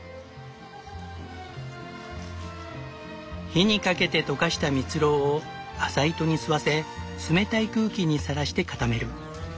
火にかけて溶かしたミツロウを麻糸に吸わせ冷たい空気にさらして固める。